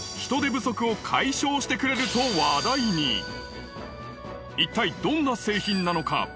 人手不足を解消してくれると話題に一体どんな製品なのか？